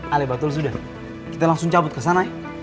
alebatul sudah kita langsung cabut kesana ya